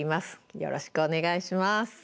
よろしくお願いします。